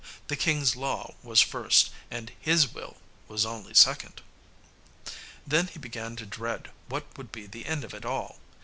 The king's law was first, and his will was only second. Then he began to dread what would be the end of it all.